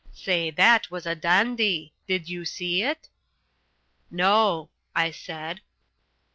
Say, that was a dandy; did you see it?" "No," I said.